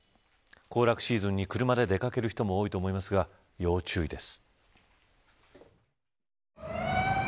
行楽シーズンに、車で出掛ける人も多いと思いますが要注意です。